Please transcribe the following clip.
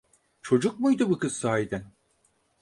Çocuk muydu bu kız sahiden?